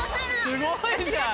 すごいじゃん。